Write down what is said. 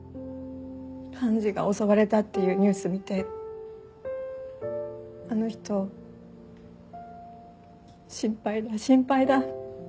判事が襲われたっていうニュース見てあの人「心配だ心配だ」